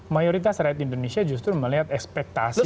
mayoritas rakyat indonesia justru melihat ekspektasi